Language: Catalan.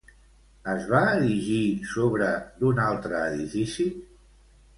Es va erigir sobre d'un altre edifici?